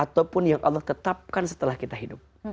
ataupun yang allah tetapkan setelah kita hidup